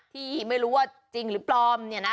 ที่ไม่รู้ว่าจริงหรือปลอมเนี่ยนะ